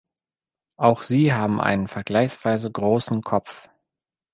Auch sie haben einen vergleichsweise großen Kopf.